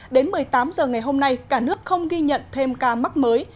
đến một mươi tám h ngày hôm nay cả nước không ghi nhận thêm ca mắc mới